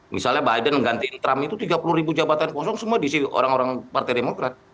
misalnya biden mengganti trump itu tiga puluh ribu jabatan kosong semua diisi orang orang partai demokrat